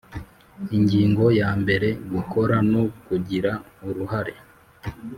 Ingingo ya mbere Gukora no kugira uruhare